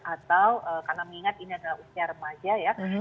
atau karena mengingat ini adalah usia remaja ya